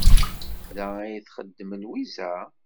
Da ay txeddem Lwiza?